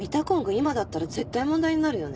今だったら絶対問題になるよね。